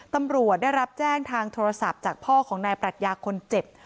ตำรวจได้รับแจ้งทางโทรศัพท์จากพ่อของนายปรัชญาคนเจ็บ